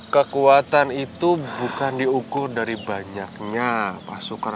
kekuatan itu bukan diukur dari banyaknya pasukan